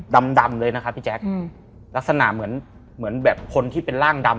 ดำเลยนะครับพี่แจ๊คลักษณะเหมือนคนที่เป็นร่างดำ